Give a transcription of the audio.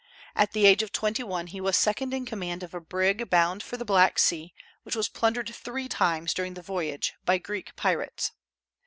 At the age of twenty one he was second in command of a brig bound for the Black Sea, which was plundered three times during the voyage by Greek pirates.